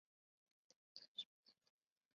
丁俊晖因亚运会赛程冲突退出超级联赛。